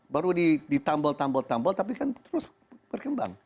baru ditambol tambol tambol tapi kan terus berkembang